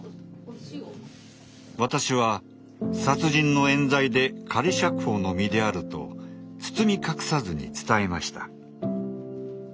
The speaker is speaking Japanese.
私は殺人のえん罪で仮釈放の身であると包み隠さずに伝えました。